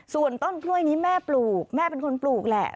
ส่วนต้นกล้วยนี้แม่ปลูกแม่เป็นคนปลูกแหละ